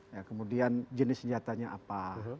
ya kemudian jenis senjatanya apa